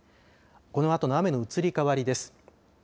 このあとの雨の移り変わりです。